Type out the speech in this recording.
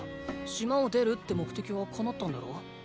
島を出るって目的は叶ったんだろ。